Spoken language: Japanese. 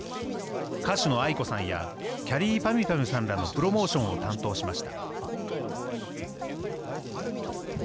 歌手のａｉｋｏさんや、きゃりーぱみゅぱみゅさんらのプロモーションを担当しました。